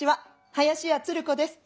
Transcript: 林家つる子です。